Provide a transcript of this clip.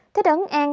thích ấn an